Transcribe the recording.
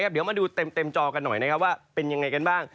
เดี๋ยวมาดูเต็มจอกันหน่อยว่าเป็นอย่างไรกันบ้าง